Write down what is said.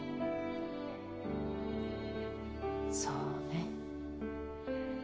そうね。